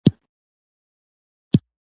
صبر مي تمام شو .